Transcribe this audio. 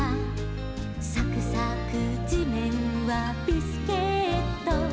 「さくさくじめんはビスケット」